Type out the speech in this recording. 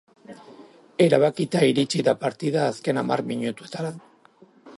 Erabakita iritsi da partida azken hamar minutuetara.